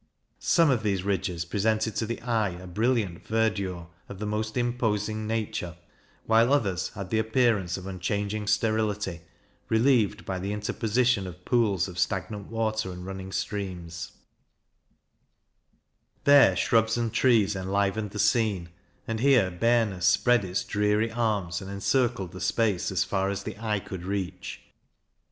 Some of these ridges presented to the eye a brilliant verdure of the most imposing nature, while others had the appearance of unchanging sterility, relieved by the interposition of pools of stagnant water and running streams; there shrubs and trees enlivened the scene, and here barrenness spread its dreary arms, and encircled the space as far as the eye could reach.